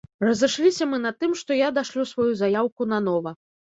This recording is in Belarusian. Разышліся мы на тым, што я дашлю сваю заяўку нанова.